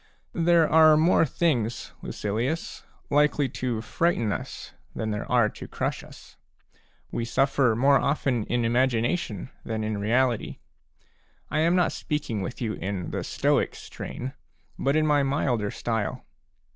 There are more things, Lucilius, likely to frighten us than there are to crush us ; we suffer more often in imagination than in reality. I am not speaking with you in the Stoic strain but in my milder style.